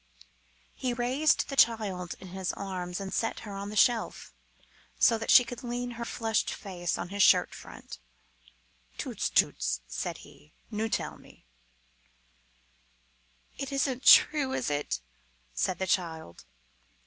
He raised the child in his arms and set her on the shelf, so that she could lean her flushed face on his shirt front. "Toots, toots!" said he, "noo tell me " "It isn't true, is it?" said the child.